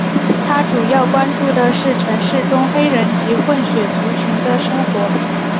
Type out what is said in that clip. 他主要关注的是城市中黑人及混血族群的生活。